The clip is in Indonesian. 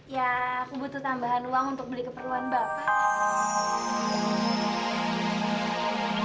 ya aku butuh tambahan uang untuk beli keperluan bapak